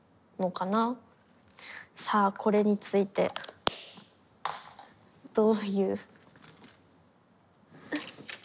さあこれについてどういう。